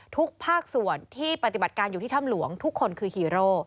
ทุกภาคส่วนที่ปฏิบัติการอยู่ที่ถ้ำหลวงทุกคนคือฮีโร่